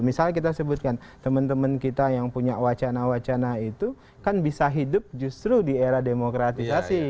misalnya kita sebutkan teman teman kita yang punya wacana wacana itu kan bisa hidup justru di era demokratisasi